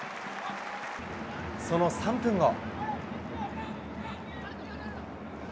その３分後。